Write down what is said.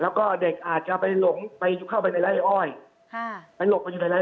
แล้วก็เด็กอาจจะไปหลงไปเข้าไปในไล่อ้อยค่ะไปหลบไปอยู่ในไล่